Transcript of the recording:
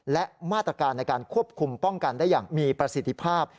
และมาตรการในการควบคุมป้องกันได้อย่างมีประสิทธิภาพ